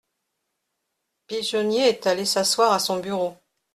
… pigeonnier est allé s'asseoir à son bureau.